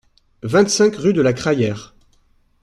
vingt-cinq rue de la Crayere